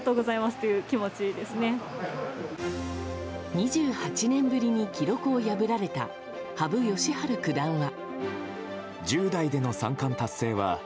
２８年ぶりに記録を破られた羽生善治九段は。